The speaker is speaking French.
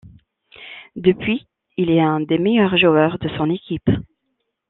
Depuis, il est un des meilleurs joueurs de son équipe.